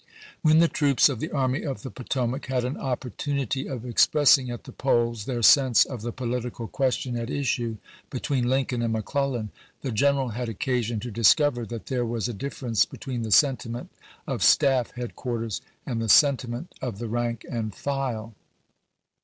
When the troops of the Army of the Potomac had an opportunity of ex pressing at the polls their sense of the political question at issue between Lincoln and McClellan, the general had occasion to discover that there was a difference between the sentiment of staff head quarters and the sentiment of the rank and file.